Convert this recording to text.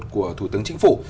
của thủ tướng chính phủ